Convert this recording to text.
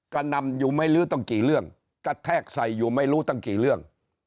กระนำอยู่ไม่ลื้อตั้งกี่เรื่องกระแทกใส่อยู่ไม่รู้ตั้งกี่เรื่อง